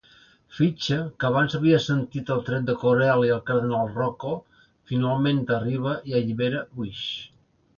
Fitchie, que abans havia sentit el tret de Corelli al cardenal Rocco, finalment arriba i allibera Bish.